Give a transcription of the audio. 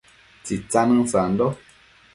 Tsitsanën sando